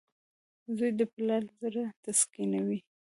• زوی د پلار زړۀ تسکینوي.